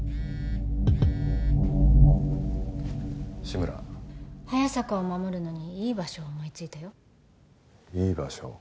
志村早坂を守るのにいい場所を思いついたよいい場所？